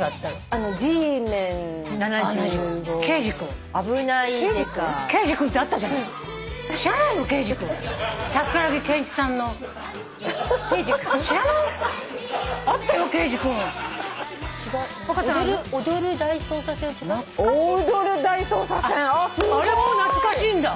あれもう懐かしいんだ。